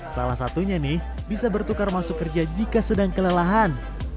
salah satunya nih bisa bertukar masuk kerja jika sedang kelelahan